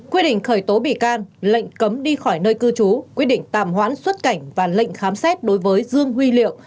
quyết định khởi tố bị can lệnh cấm đi khỏi nơi cư trú quyết định tạm hoãn xuất cảnh và lệnh khám xét đối với dương huy liệu